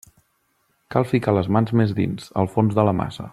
Cal ficar les mans més dins, al fons de la massa.